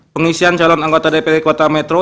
pengisian calon anggota dpd kota metro